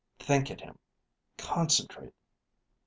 Think at him, concentrate....